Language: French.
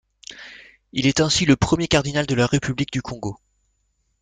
Il est ainsi le premier cardinal de la République du Congo.